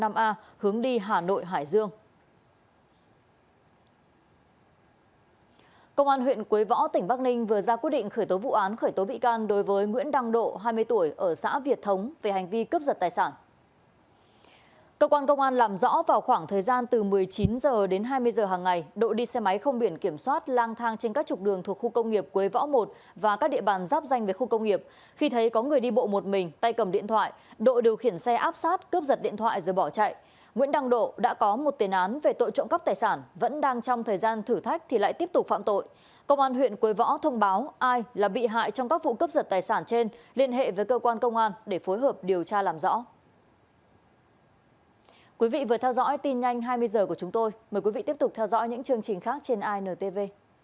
mời quý vị tiếp tục theo dõi những chương trình khác trên intv